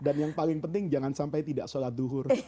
yang paling penting jangan sampai tidak sholat duhur